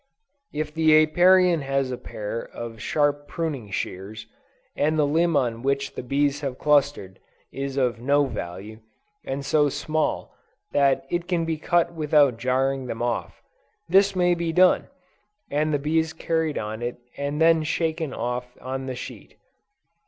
If the Apiarian has a pair of sharp pruning shears, and the limb on which the bees have clustered, is of no value, and so small, that it can be cut without jarring them off, this may be done, and the bees carried on it and then shaken off on the sheet.